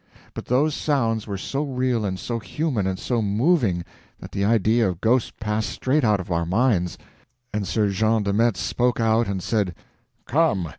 But those sounds were so real and so human and so moving that the idea of ghosts passed straight out of our minds, and Sir Jean de Metz spoke out and said: "Come!